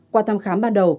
qua thăm khám ban đầu